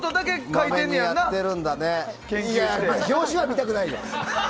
いや表紙は見たくないよ。